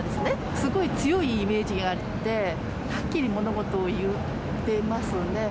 すごい強いイメージがあって、はっきり物事を言ってますね。